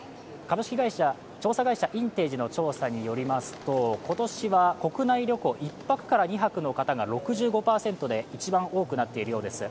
調査会社・インテージの調査によると今年は国内旅行、１泊から２泊の方が６５％で一番多くなっているようです。